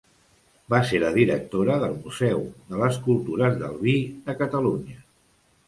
Va ser la directora del Museu de les Cultures del Vi de Catalunya.